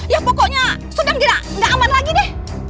ya pokoknya sudah gak aman lagi deh